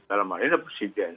dalam hal ini presiden